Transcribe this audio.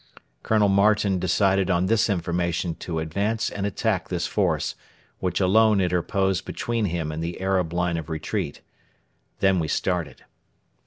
Colonel Martin decided on this information to advance and attack this force, which alone interposed between him and the Arab line of retreat. Then we started.